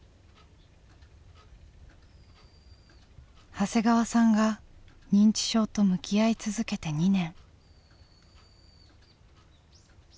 長谷川さんが認知症と向き合い続けて２年。